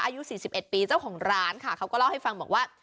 อายุ๔๑ปีเจ้าของร้านค่ะเขาก็เล่าให้ฟังบอกว่า